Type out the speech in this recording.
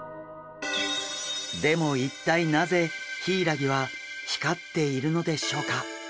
でも一体なぜヒイラギは光っているのでしょうか？